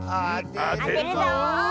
あてるぞ！